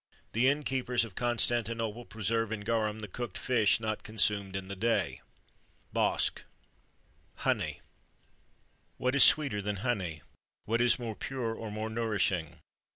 The inn keepers of Constantinople preserve in garum the cooked fish not consumed in the day." BOSC. HONEY. What is sweeter than honey?[XXIII 43] what is more pure,[XXIII 44] or more nourishing?